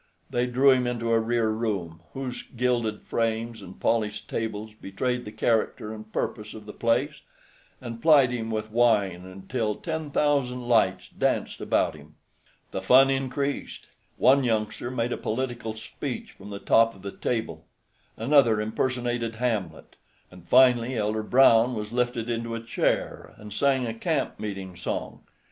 They drew him into a rear room, whose gilded frames and polished tables betrayed the character and purpose of the place, and plied him with wine until ten thousand lights danced about him. The fun increased. One youngster made a political speech from the top of the table; another impersonated Hamlet; and finally Elder Brown was lifted into a chair, and sang a camp meeting song.